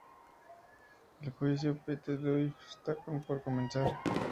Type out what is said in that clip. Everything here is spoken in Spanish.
El juicio de Pete Duffy está por comenzar.